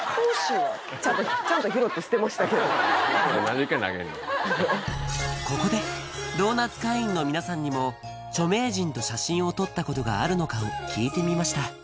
何で１回投げんのここでドーナツ会員の皆さんにも著名人と写真を撮ったことがあるのかを聞いてみました